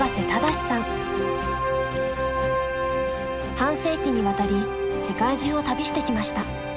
半世紀にわたり世界中を旅してきました。